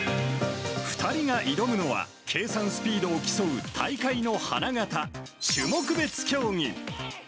２人が挑むのは、計算スピードを競う大会の花形、種目別競技。